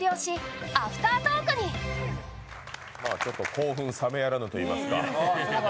興奮冷めやらぬといいますか。